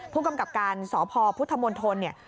ผู้กำกับการสพพุทธมณฑลเนี่ย